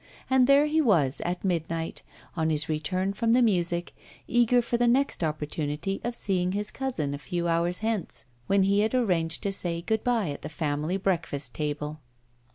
And there he was, at midnight, on his return from the music, eager for the next opportunity of seeing his cousin, a few hours hence when he had arranged to say good bye at the family breakfast table.